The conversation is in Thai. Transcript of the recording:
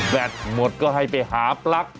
แบบสุดก็ให้ไปหาปลั๊ก